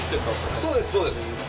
そうですそうです！